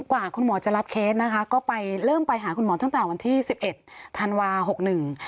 กว่าคุณหมอจะรับเคสนะคะก็ไปเริ่มไปหาคุณหมอตั้งแต่วันที่๑๑ธันวาส์๖๑